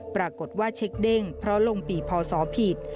ปรากฏว่าเช็คเด้งเพราะลงปีพศผิด